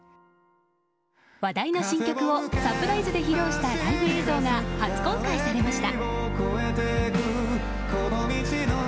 話題の新曲をサプライズで披露したライブ映像が初公開されました。